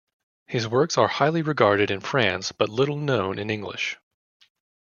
His works are highly regarded in France but little known in English.